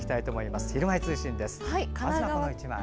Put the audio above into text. まずはこの１枚。